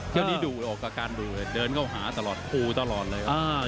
ช่วงนี้ดูออกอาการดูเลยเดินเข้าหาตลอดคู่ตลอดเลยครับ